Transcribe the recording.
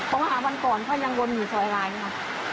เพราะว่าวันก่อนถ้ายังลงมือซอยล้ายเนี่ย